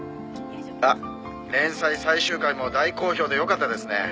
「あっ連載最終回も大好評でよかったですね」